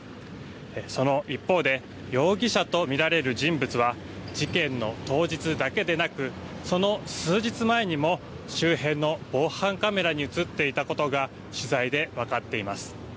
その一方で容疑者と見られる人物は事件の当日だけでなく、その数日前にも周辺の防犯カメラに写っていたことが取材で分かっています。